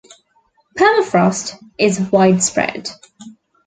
Permafrost is widespread.